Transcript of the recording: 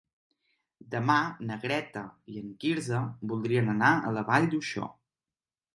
Demà na Greta i en Quirze voldrien anar a la Vall d'Uixó.